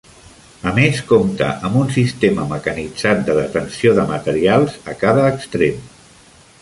A més, compta amb un sistema mecanitzat de detenció de materials a cada extrem.